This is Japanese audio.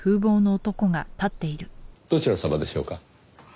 どちら様でしょうか？